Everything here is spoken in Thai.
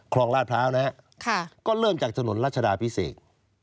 ลาดพร้าวนะฮะก็เริ่มจากถนนรัชดาพิเศษ